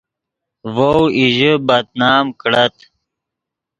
ڤؤ ایژے بد نام کڑت